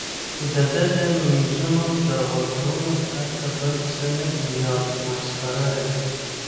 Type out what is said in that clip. د ده د مېزونو د غورځولو پرته بل څه نه دي یاد، مسخره دی.